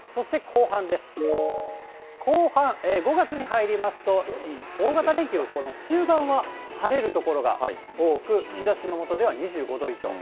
後半、５月に入りますと、大型連休、この中盤は、晴れる所が多く、日ざしの下では２５度以上。